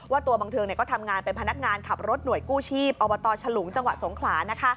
ตัวบังเทิงก็ทำงานเป็นพนักงานขับรถหน่วยกู้ชีพอบตฉลุงจังหวัดสงขลานะคะ